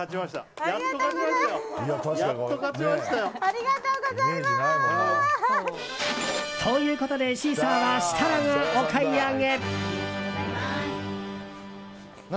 ありがとうございます！ということでシーサーは設楽がお買い上げ。